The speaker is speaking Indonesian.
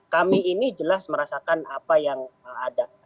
kami ini jelas merasakan apa yang ada